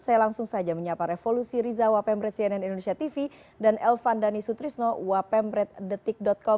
saya langsung saja menyapa revolusi riza wapemret cnn indonesia tv dan elvan dhani sutrisno wapemret detik com